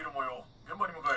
現場に向かえ。